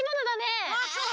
あそう。